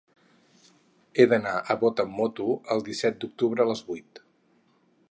He d'anar a Bot amb moto el disset d'octubre a les vuit.